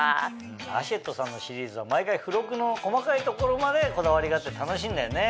アシェットさんのシリーズは毎回付録の細かいところまでこだわりがあって楽しいんだよね。